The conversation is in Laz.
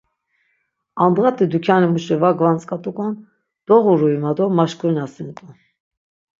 Andğati dukyanimuşi va gvantzk̆vat̆ukon doğurui ma do maşkurinasint̆u.